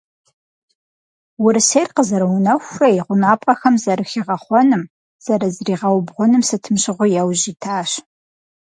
Урысейр къызэрыунэхурэ и гъунапкъэхэм зэрыхигъэхъуным, зэрызригъэубгъуным сытым щыгъуи яужь итащ.